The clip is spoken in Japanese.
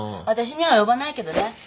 私には及ばないけどね。